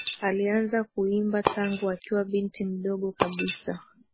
Alianza kuimba tangu akiwa binti mdogo kabisa